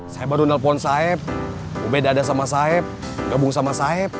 saya baru nelfon saeb ubed ada sama saeb gabung sama saeb